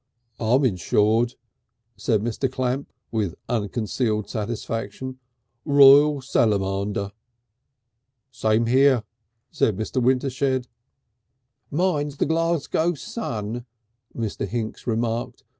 "I'm insured," said Mr. Clamp, with unconcealed satisfaction. "Royal Salamander." "Same here," said Mr. Wintershed. "Mine's the Glasgow Sun," Mr. Hinks remarked.